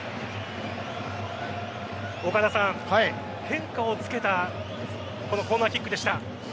岡田さん、変化をつけたこのコーナーキックでした。